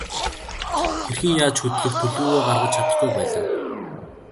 Хэрхэн яаж хөдлөх төлөвлөгөөгөө гаргаж чадахгүй байлаа.